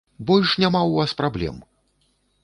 Больш няма ў вас праблем!